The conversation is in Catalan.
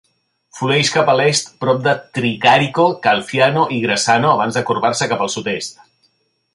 Flueix cap a l'est prop de Tricarico, Calciano i Grassano abans de corbar-se cap al sud-est.